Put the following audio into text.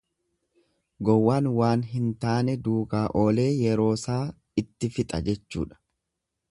Gowwaan wanta hin taane duukaa oolee yeroo saa itti fixa jechuudha.